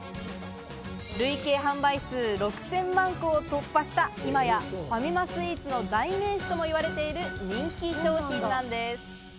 累計販売数６０００万個を突破した今やファミマスイーツの代名詞とも言われている人気商品なんです。